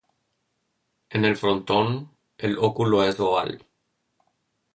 En el frontón, el óculo es oval.